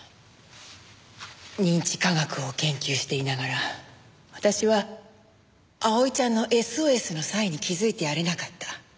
認知科学を研究していながら私は葵ちゃんのＳＯＳのサインに気づいてやれなかった。